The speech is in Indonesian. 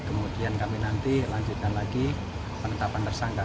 kemudian kami nanti lanjutkan lagi penetapan tersangka